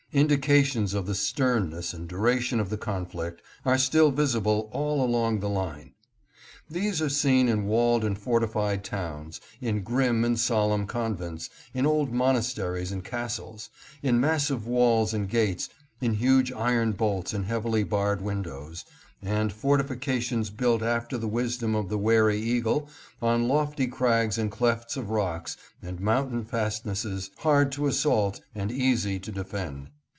Indications of the stern ness and duration of the conflict are still visible all along the line. These are seen in walled and fortified towns, in grim and solemn convents, in old monasteries and castles, in massive walls and gates, in huge iron bolts and heavily barred windows, and fortifications built after the wisdom of the wary eagle on lofty crags and clefts of rocks and mountain fastnesses, hard to 682 THROUGH FRANCE. assault and easy to defend.